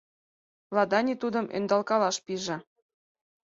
Ладани тудым ӧндалкалаш пиже.